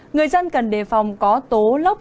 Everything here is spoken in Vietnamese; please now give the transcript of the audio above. người dân cần đề phòng có tố lốc